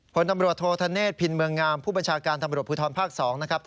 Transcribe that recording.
ผลตำรวจโทษธเนศพินเมืองงามผู้บัญชาการตำรวจภูทรภาค๒นะครับ